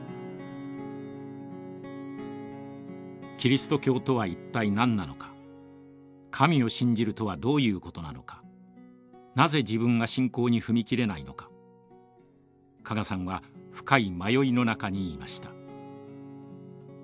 キリスト教とは一体何なのか神を信じるとはどういうことなのかなぜ自分が信仰に踏み切れないのか加賀さんは深い迷いの中にいました。